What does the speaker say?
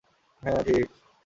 হ্যা, ঠিক!